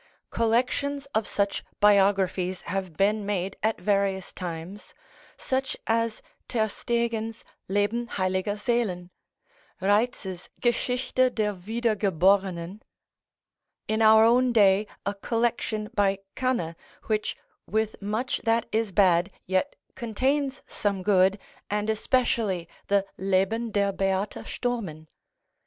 Collections of such biographies have been made at various times, such as Tersteegen's "Leben heiliger Seelen," Reiz's "Geschichte der Wiedergeborennen," in our own day, a collection by Kanne, which, with much that is bad, yet contains some good, and especially the "Leben der Beata Sturmin."